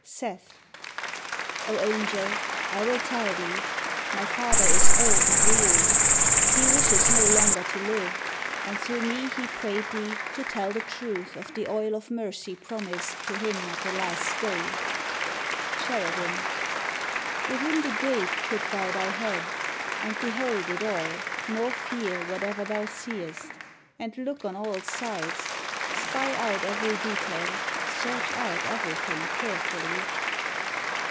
Seth O Angel, I will tell it thee: My father is old and weary; He wishes no longer to live; And through me he prayed thee To tell the truth Of the oil of mercy promised To him at the last day. Cherubin Within the gate put thou thy head, And behold it all, nor fear, Whatever thou seest. And look on all sides, Spy out every detail, Search out everything carefully.